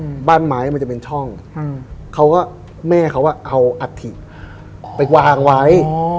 อืมบ้านไม้มันจะเป็นช่องอืมเขาก็แม่เขาอ่ะเอาอัฐิออกไปวางไว้อ๋อ